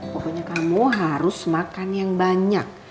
pokoknya kamu harus makan yang banyak